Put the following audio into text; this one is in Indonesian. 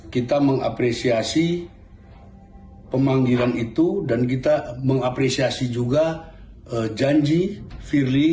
kita mengapresiasi pemanggilan itu dan kita mengapresiasi juga janji firly